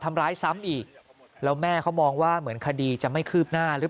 ทำร้ายซ้ำอีกแล้วแม่เขามองว่าเหมือนคดีจะไม่คืบหน้าหรือ